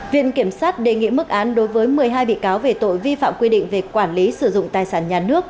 viện kiểm sát đề nghị mức án đối với một mươi hai bị cáo về tội vi phạm quy định về quản lý sử dụng tài sản nhà nước